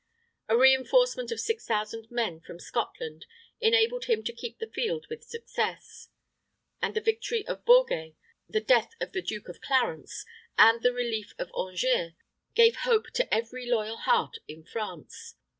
A re enforcement of six thousand men from Scotland enabled him to keep the field with success, and the victory of Baugé, the death of the Duke of Clarence, and the relief of Angers, gave hope to every loyal heart in France.